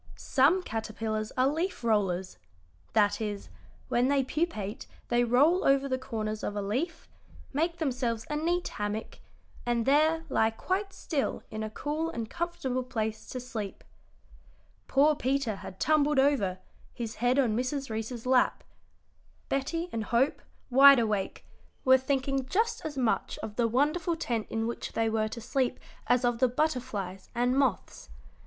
"Some caterpillars are leaf rollers that is, when they pupate they roll over the corners of a leaf, make themselves a neat hammock, and there lie quite still in a cool and comfortable place to sleep." Poor Peter had tumbled over, his head on Mrs. Reece's lap. Betty and Hope, wide awake, were thinking just as much of the wonderful tent in which they were to sleep as of the butterflies and moths.